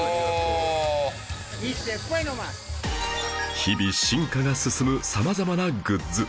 日々進化が進む様々なグッズ